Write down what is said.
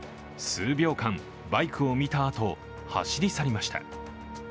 数秒間、バイクを見たあと走り去りました。